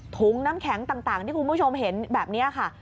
ถุงน้ำแข็งต่างที่คุณผู้ชมเห็นแบบนี้ค่ะ